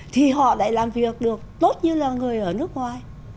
thì họ lại làm việc được tốt như là người ở nước ngoài